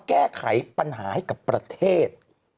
แก้ไขปัญหาให้กับประเทศ